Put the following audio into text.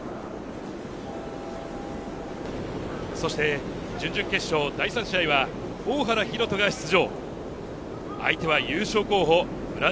そして準々決勝、第３試合は大原洋人が出場。